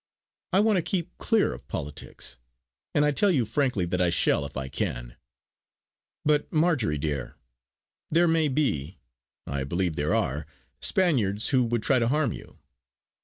I want to keep clear of politics; and I tell you frankly that I shall if I can." "But Marjory dear, there may be, I believe there are, Spaniards who would try to harm you.